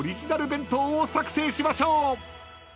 弁当を作成しましょう］